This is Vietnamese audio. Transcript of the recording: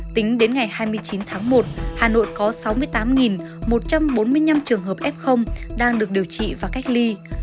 tính đến ngày hai mươi chín tháng một hà nội có sáu mươi tám một trăm bốn mươi năm trường hợp f đang được điều trị và cách ly